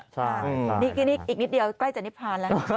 ใช่นี่อีกนิดเดียวใกล้จะนิพานแล้ว